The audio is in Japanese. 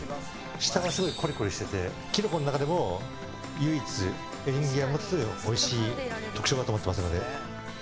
下はすごいコリコリしててキノコの中でも唯一エリンギが持つおいしい特徴だと思ってますので。